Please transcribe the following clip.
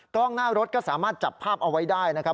กล้องหน้ารถก็สามารถจับภาพเอาไว้ได้นะครับ